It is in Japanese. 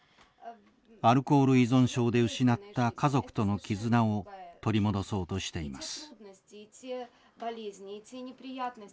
アルコール依存症で失った家族との絆を取り戻そうとしています。